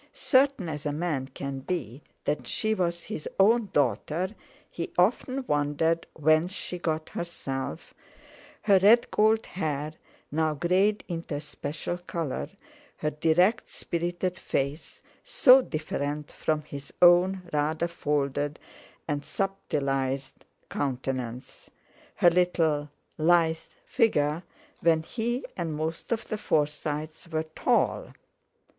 Certain as a man can be that she was his own daughter, he often wondered whence she got herself—her red gold hair, now greyed into a special colour; her direct, spirited face, so different from his own rather folded and subtilised countenance, her little lithe figure, when he and most of the Forsytes were tall.